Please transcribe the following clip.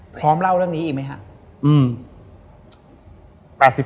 เล่าเรื่องนี้อีกไหมครับ